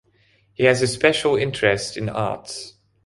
He has a special interest in arts.